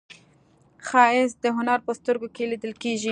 ښایست د هنر په سترګو کې لیدل کېږي